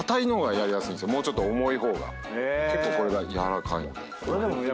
結構これが軟らかいんで。